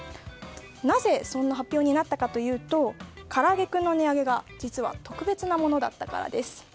なぜそんな発表になったかというとからあげクンの値上げが実は特別なものだったからです。